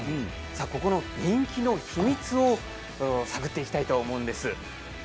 ここの人気の秘密を探っていきたいと思うんです。